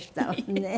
ねえ。